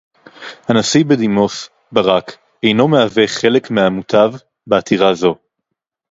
הנשיא בדימוס ברק אינו מהווה חלק מהמותב בעתירה זו